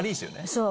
そう。